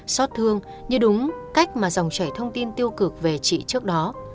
xót thương như đúng cách mà dòng chảy thông tin tiêu cực về chị trước đó